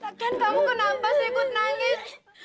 takkan kamu kenapa sih ikut nangis